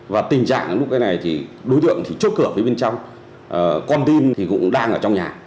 và tình trạng lúc cái này thì đối tượng thì chốt cửa với bên trong con tin thì cũng đang ở trong nhà